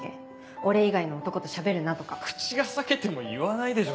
「俺以外の男としゃべるな」とか口が裂けても言わないでしょ